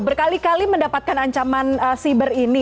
berkali kali mendapatkan ancaman siber ini